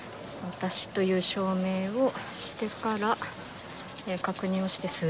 私という証明をしてから、確認をして。